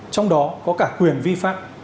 trong đó có cả quyền vi phạm